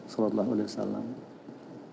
salah seorang anak bangsawan quraish